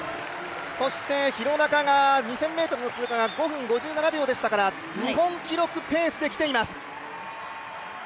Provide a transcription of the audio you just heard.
そして廣中が２０００ｍの通過が５分１７秒でしたから日本記録ペースできています。